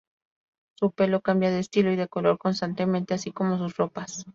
Su pelo cambia de estilo y de color constantemente, así como sus ropas.